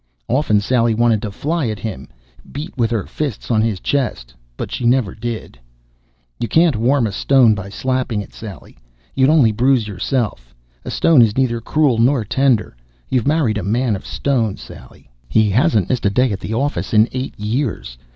Often Sally wanted to fly at him, beat with her fists on his chest. But she never did. _You can't warm a stone by slapping it, Sally. You'd only bruise yourself. A stone is neither cruel nor tender. You've married a man of stone, Sally._ He hasn't missed a day at the office in eight years.